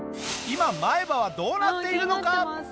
今前歯はどうなっているのか？